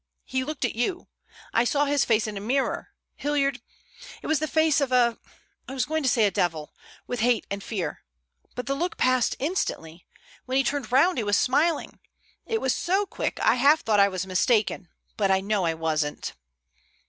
He looked at you; I saw his face in a mirror. Hilliard, it was the face of a—I was going to say, a devil—with hate and fear. But the look passed instantly. When he turned round he was smiling. It was so quick I half thought I was mistaken. But I know I wasn't."